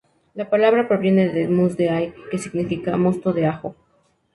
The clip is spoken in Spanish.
La palabra proviene de ""must de ai"", que significa "mosto de ajo".